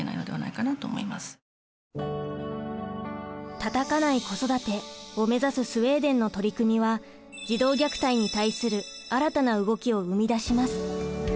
「たたかない子育て」を目指すスウェーデンの取り組みは児童虐待に対する新たな動きを生み出します。